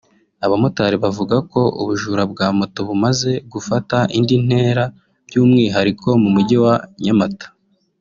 Abamotari bavuga ko ubujura bwa Moto bumaze gufata indi ntera by’umwihariko mu mujyi wa Nyamata